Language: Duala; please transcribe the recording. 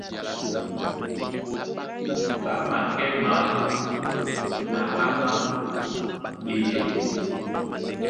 Ɓá makɛ́ maa na áma a ɓeyɛy.